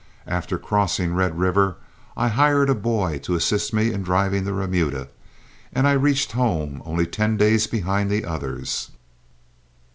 After crossing Red River, I hired a boy to assist me in driving the remuda, and I reached home only ten days behind the others.